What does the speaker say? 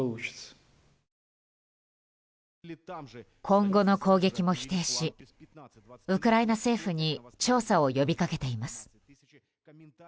今後の攻撃も否定しウクライナ政府に調査を呼び掛けています。